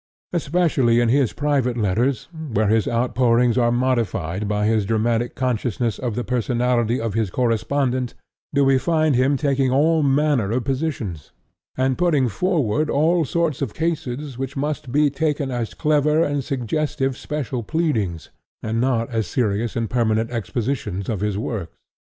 Especially in his private letters, where his outpourings are modified by his dramatic consciousness of the personality of his correspondent, do we find him taking all manner of positions, and putting forward all sorts of cases which must be taken as clever and suggestive special pleadings, and not as serious and permanent expositions of his works.